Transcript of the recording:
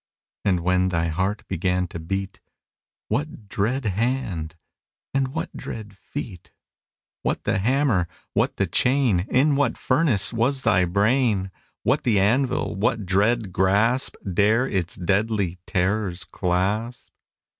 And when thy heart began to beat, What dread hand? & what dread feet? What the hammer? what the chain? In what furnace was thy brain? What the anvil? what dread grasp Dare its deadly terrors clasp?